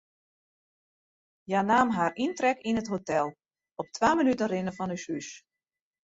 Hja naam har yntrek yn it hotel, op twa minuten rinnen fan ús hûs.